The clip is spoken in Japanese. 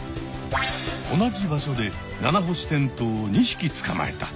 同じ場所でナナホシテントウを２ひきつかまえた。